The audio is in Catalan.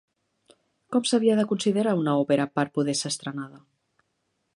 Com s'havia de considerar una òpera per poder ser estrenada?